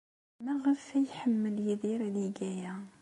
Maɣef ay iḥemmel Yidir ad yeg aya?